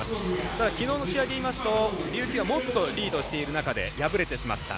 ただ、きのうの試合でいいますと琉球はもっとリードしている中で敗れてしまった。